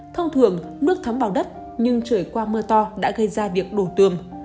thông thường nước thấm vào đất nhưng trời qua mưa to đã gây ra việc đổ tường